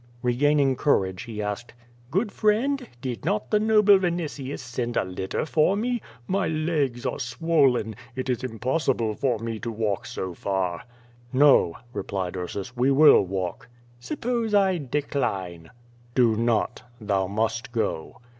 Regaining courage, he asked: "Good friend, did not the no ble Vinitius send a litter for me? My legs are swollen. It is impossible for me to walk so far." "No," replied Ursus, "we will walk." "Suppose I decline?" "Do not. Thou must go."